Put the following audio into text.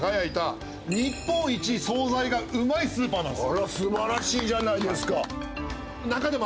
あら素晴らしいじゃないですか。